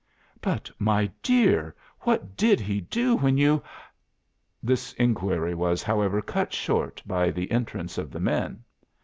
"But, my dear, what did he do when you " This enquiry was, however, cut short by the entrance of the men.